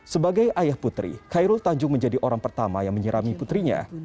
sebagai ayah putri khairul tanjung menjadi orang pertama yang menyerami putrinya